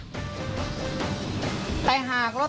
เราไม่ใช่ครับ